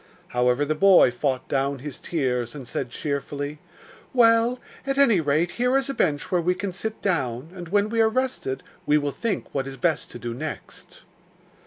However, the boy fought down his tears, and said cheerfully: 'Well, at any rate here is a bench where we can sit down, and when we are rested we will think what is best to do next.